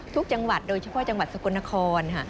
จังหวัดโดยเฉพาะจังหวัดสกลนคร